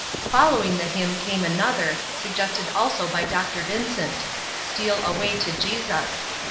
Following the hymn came another, suggested also by Dr. Vincent: "Steal away to Jesus."